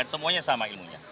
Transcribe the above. semuanya sama ilmunya